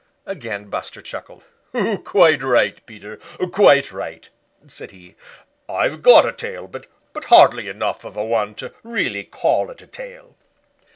Again Buster chuckled. "Quite right, Peter; quite right," said he. "I've got a tail, but hardly enough of a one to really call it a tail."